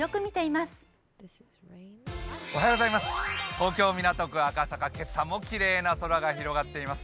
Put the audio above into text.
東京港区赤坂、今朝もきれいな空が広がっています。